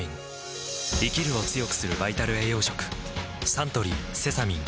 サントリーセサミン